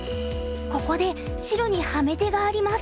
ここで白にハメ手があります。